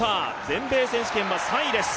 全米選手権は３位です。